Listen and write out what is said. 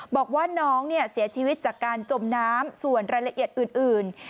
บอกว่าน้องเสียชีวิตจากการจมน้ำส่วนรายละเอียดอื่น